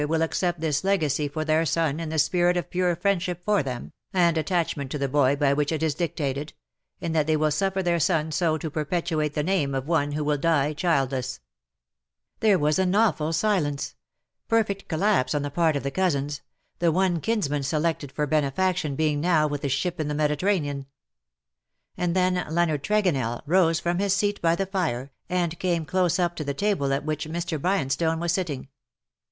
will accept this legacy for their son in the spirit of pure friendship for them^ and attachment to the boy by which it is dictated, and that they will suffer their son so to perpetuate the name of one who will die childless/^ There was an awful silence — perfect collapse on the part of the cousins, the one kinsman selected for benefaction being now with his ship in the Mediterranean. And then Leonard Tregonell rose from his seat by the fire, and came close up to the table at which Mr. Bryanstone was sitting.